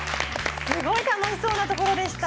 すごい楽しそうな所でした。